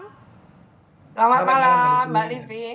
selamat malam mbak livi